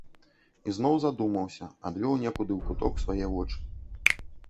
І зноў задумаўся, адвёў некуды ў куток свае вочы.